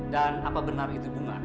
dan apa benar itu bunga